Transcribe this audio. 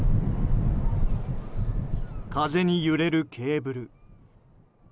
風に揺れるケーブル。